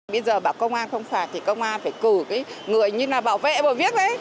bây giờ bảo công an không phạt thì công an phải cử cái người như là bảo vệ bảo viết đấy